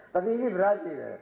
tapi ini berani